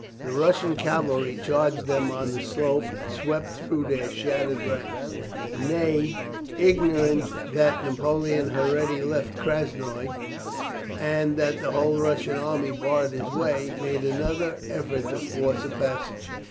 The Russian cavalry charged them on the slope, and swept through their shattered ranks. Ney, ignorant that Napoleon had already left Krasnoi, and that the whole Russian army barred his way, made another effort to force a passage.